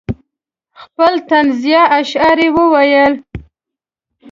خپل طنزیه اشعار یې وویل.